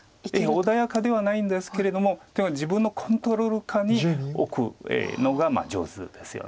穏やかではないんですけれどもでも自分のコントロール下に置くのが上手ですよね。